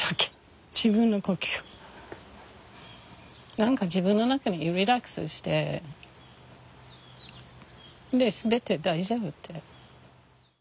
何か自分の中にリラックスしてで全て大丈夫って。